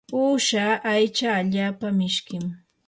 uusha aycha allaapa mishkim.